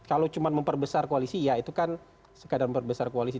kalau cuma memperbesar koalisi ya itu kan sekadar memperbesar koalisi